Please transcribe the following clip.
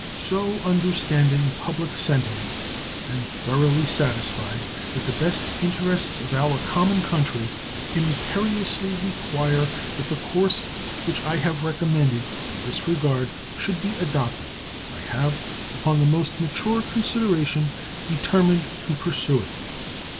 So understanding public sentiment, and thoroughly satisfied that the best interests of our common country imperiously require that the course which I have recommended in this regard should be adopted, I have, upon the most mature consideration, determined to pursue it.